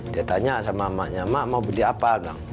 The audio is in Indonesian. dia tanya sama maknya mak mau beli apa